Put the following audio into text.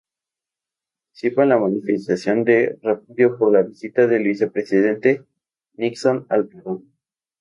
Participa en la manifestación de repudio por la visita del vicepresidente Nixon al Perú.